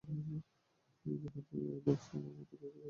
এইসব জাহাজের নক্সা করতে আমার মতো লোকের কথা মাথায় রাখে না।